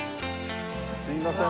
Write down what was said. すいません。